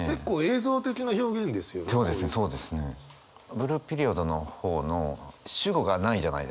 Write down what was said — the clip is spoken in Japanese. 「ブルーピリオド」の方の主語がないじゃないですか。